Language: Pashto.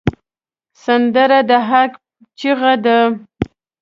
سندره د حق چیغه ده